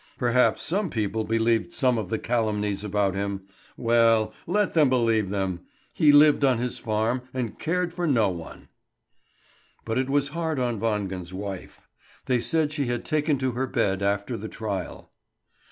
Perhaps some people believed some of the calumnies about him. Well, let them believe them! He lived on his farm, and cared for no one. But it was hard on Wangen's wife. They said she had taken to her bed after the trial.